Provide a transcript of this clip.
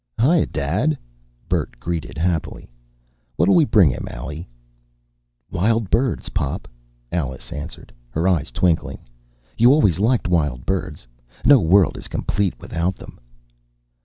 "Hiyuh, Dad!" Bert greeted happily. "What'll we bring him, Allie?" "Wildbirds, Pop," Alice answered, her eyes twinkling. "You always liked wildbirds. No world is complete without them."